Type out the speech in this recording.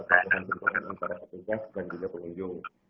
antara petugas dan juga pengunjung